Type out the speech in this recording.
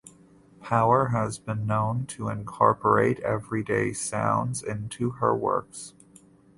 Power has been known to incorporate everyday sounds into her works.